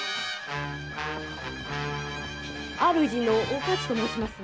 主のお勝と申します。